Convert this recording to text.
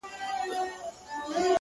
په داسي خوب ویده دی چي راویښ به نه سي ـ